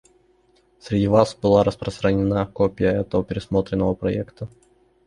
Среди вас была распространена копия этого пересмотренного проекта.